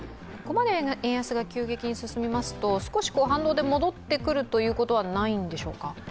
ここまで円安が急激に進みますと少し反動で戻ってくるということはないんでしょうか？